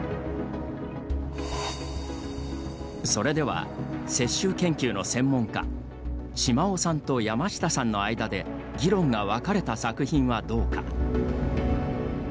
それでは、雪舟研究の専門家島尾さんと山下さんの間で議論が分かれた作品はどうか。